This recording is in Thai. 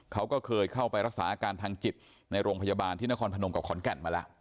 เขาก็เคยเข้าไปรักษาอาการทางจิตในโรงพยาบาลที่นครพนมกับขอนแก่นมาแล้ว